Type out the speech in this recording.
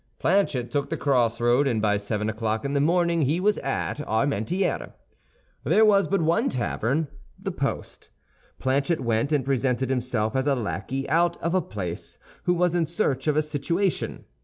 Planchet took the crossroad, and by seven o'clock in the morning he was at Armentières. There was but one tavern, the Post. Planchet went and presented himself as a lackey out of a place, who was in search of a situation.